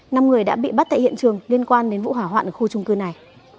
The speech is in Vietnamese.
năm người đã bị bắt tại hiện trường liên quan đến vụ hỏa hoạn ở khu trung cư này